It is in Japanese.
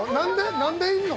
何でいんの？